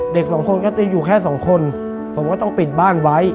เด็กสองคนก็จะอยู่แค่สองคนผมก็ต้องปิดบ้านไว้